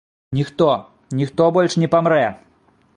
Ніхто, ніхто больш не памрэ!